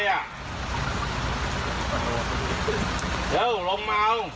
กิม